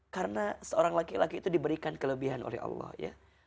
karena seorang laki laki itu diberikan kelebihan oleh allah ya